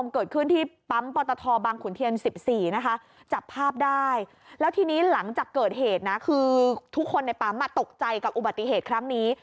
คือทุกคนในปั๊มมาตกใจกับอุบัติเหตุครั้งนี้